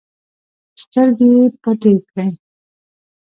سترګې يې پټې کړې.